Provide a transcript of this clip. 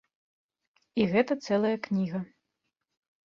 І гэта цэлая кніга.